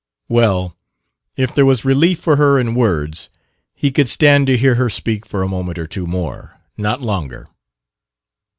Well, if there was relief for her in words, he could stand to hear her speak for a moment or two more, not longer.